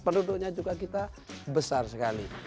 penduduknya juga kita besar sekali